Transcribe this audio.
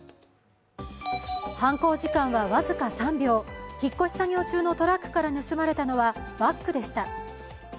犯行時間は僅か３秒、引っ越し作業中のトラックから盗まれたのはバッグでした。